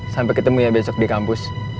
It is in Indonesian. sampai ketemu ya besok di kampus